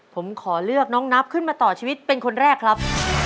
ผมขอเลือกน้องนับขึ้นมาต่อชีวิตเป็นคนแรกครับ